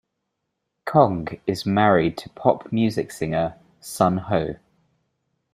Kong is married to pop music singer Sun Ho.